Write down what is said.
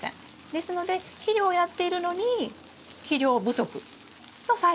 ですので肥料をやっているのに肥料不足のサインが出てしまいます。